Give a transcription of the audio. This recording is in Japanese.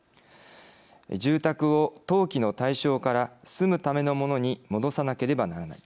住宅を投機の対象から住むためのものに戻さなければならない。